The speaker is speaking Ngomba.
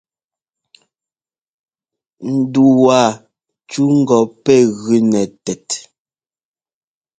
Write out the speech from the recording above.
Ndu waa cú ŋgɔ pɛ́ gʉ nɛ tɛt.